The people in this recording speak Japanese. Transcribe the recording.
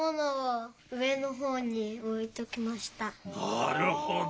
なるほど。